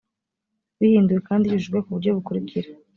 bihinduwe kandi yujujwe ku buryo bukurikira